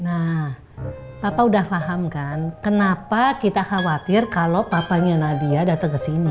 nah papa udah paham kan kenapa kita khawatir kalau papanya nadia datang ke sini